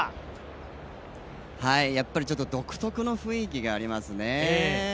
やっぱりちょっと独特の雰囲気がありますね。